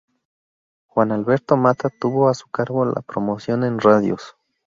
Juan Alberto Mata tuvo a su cargo la promoción en radios.